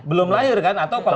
belum lahir kan atau kalau